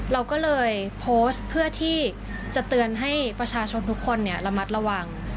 เราก็เลยโพสต์เพื่อที่จะเตือนให้ประชาชนทุกคนระมัดระวัง